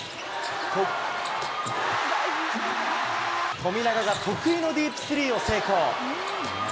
富永が得意のディープスリーを成功。